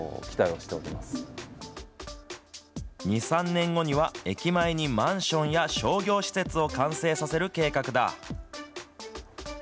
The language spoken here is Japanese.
２、３年後には、駅前にマンションや商業施設を完成させる計画だ。